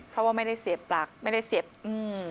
เพราะว่าไม่ได้เสียบปลักไม่ได้เสียบอืม